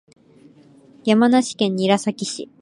山梨県韮崎市